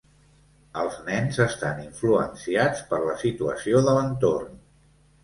Els nens estan influenciats per la situació de l’entorn.